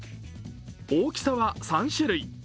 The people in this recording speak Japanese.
大きさは３種類。